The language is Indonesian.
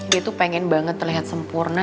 dia tuh pengen banget terlihat sempurna